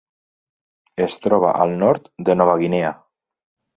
Es troba al nord de Nova Guinea.